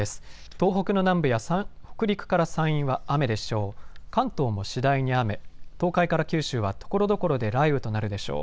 東北の南部や北陸から山陰は雨でしょう。